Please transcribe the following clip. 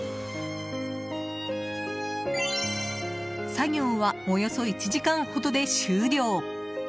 作業はおよそ１時間ほどで終了。